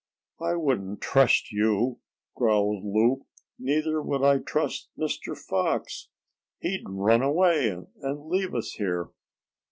"I wouldn't trust you," growled Loup. "Neither would I trust Mr. Fox. He'd run away, and leave us here."